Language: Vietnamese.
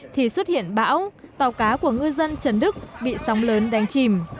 thì xuất hiện bão tàu cá của ngư dân trần đức bị sóng lớn đánh chìm